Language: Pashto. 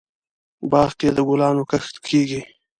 باغ کې دګلانو کښت کیږي